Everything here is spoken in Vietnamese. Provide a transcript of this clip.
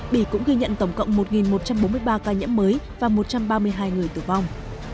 bỉ cũng ghi nhận tổng cộng một một trăm bốn mươi ba ca nhiễm mới và một trăm ba mươi hai người tử vong